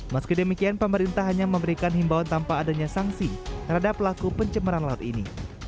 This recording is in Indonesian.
meski demikian pemerintah hanya memberikan himbawan tanpa adanya sanksi terhadap pelaku pencemaran laut ini